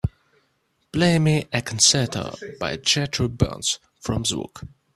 Play me a concerto by Jethro Burns from Zvooq